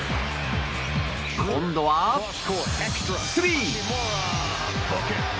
今度はスリー！